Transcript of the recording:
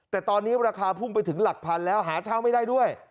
แต่ตอนนี้ราคาพุ่งไปถึงหลักพันแล้วหาเช่าไม่ได้ด้วย